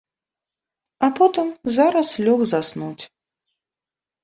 А потым зараз лёг заснуць.